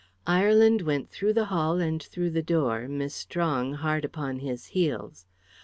Ireland went through the hall, and through the door, Miss Strong hard upon his heels.